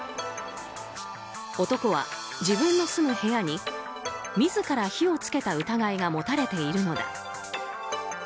男は自分の住む部屋に自ら火を付けた疑いが持たれているのだ。